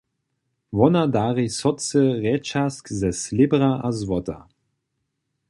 Wona dari sotře rjećazk ze slěbra a złota.